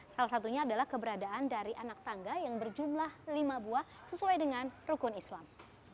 salah satunya adalah keberadaan dari anak tangga yang berjumlah lima buah sesuai dengan rukun islam